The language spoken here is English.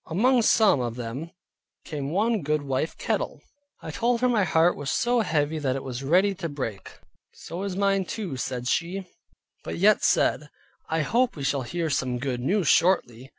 Among some of them came one goodwife Kettle. I told her my heart was so heavy that it was ready to break. "So is mine too," said she, but yet said, "I hope we shall hear some good news shortly."